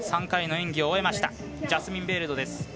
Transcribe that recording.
３回の演技を終えましたジャスミン・ベイルドです。